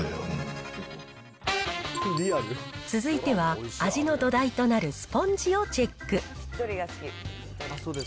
続いては、味の土台となるスポンジをチェック。